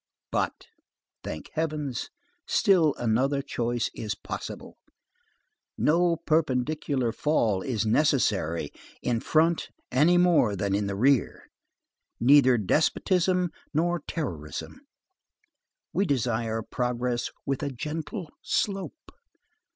But, thank Heaven, still another choice is possible. No perpendicular fall is necessary, in front any more than in the rear. Neither despotism nor terrorism. We desire progress with a gentle slope.